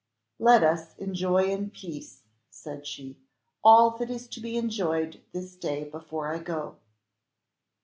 "Let us enjoy in peace," said she, "all that is to be enjoyed this day before I go."